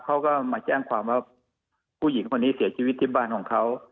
เขาก็มาแจ้งความว่าผู้หญิงคนนี้เสียชีวิตที่บ้านของเขา